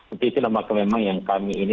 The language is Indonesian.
untuk itulah maka memang yang kami ini